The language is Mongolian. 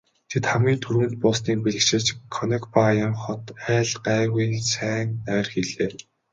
Тэд хамгийн түрүүнд буусныг бэлэгшээж Конекбайн хот айл гайгүй сайн найр хийлээ.